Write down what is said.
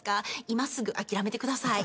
今すぐ諦めてください。